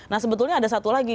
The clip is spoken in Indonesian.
nah sebetulnya ada satu lagi